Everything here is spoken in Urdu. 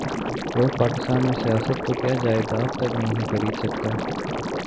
لوگ پاکستان میں سیاست تو کیا جائیداد تک نہیں خرید سکتے